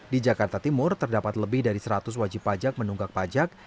di jakarta timur terdapat lebih dari seratus wajib pajak menunggak pajak